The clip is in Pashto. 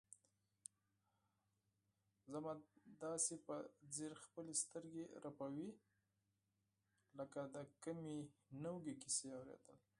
وزه مې داسې په ځیر خپلې سترګې رپوي لکه د کومې نوې کیسې اوریدل.